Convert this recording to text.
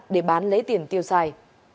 để bán lấy tiền tiêu xài